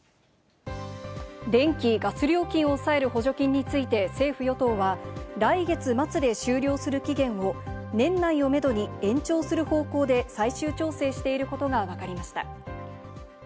電気・ガス料金を抑える補助金について、政府・与党は来月末で終了する期限を年内をめどに延長する方向で最終調整していることがわかりました。